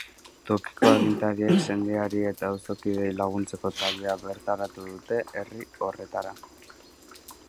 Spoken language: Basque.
Tokiko agintariek sendiari eta auzokideei laguntzeko taldea bertaratu dute herri horretara.